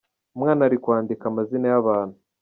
Umwana ari kwandika amazina y'abantu.